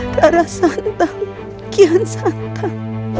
karena santan kian santan